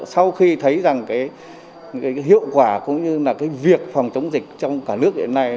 sau khi thấy rằng cái hiệu quả cũng như là cái việc phòng chống dịch trong cả nước hiện nay